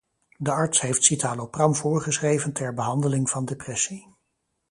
De arts heeft citalopram voorgeschreven ter behandeling van depressie.